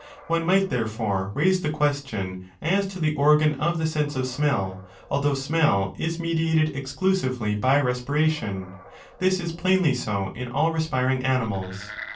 One might, therefore, raise the question as to the organ of the sense of smell, although smell is mediated exclusively by respiration (this is plsdnly so in all respiring animals).